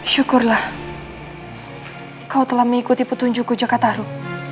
syukurlah kau telah mengikuti petunjukku jakartaro